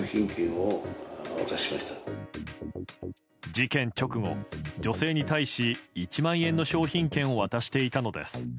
事件直後、女性に対し１万円の商品券を渡していたのです。